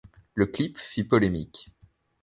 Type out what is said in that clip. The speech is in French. Le clip fit polémique.